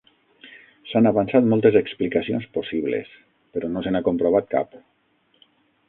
S'han avançat moltes explicacions possibles, però no se n'ha comprovat cap.